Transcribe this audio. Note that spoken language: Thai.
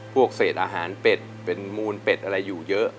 พวกเศษอาหารเป็ดเป็นมูลเป็ดอะไรอยู่เยอะ